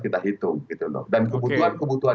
kita hitung gitu loh dan kebutuhan kebutuhan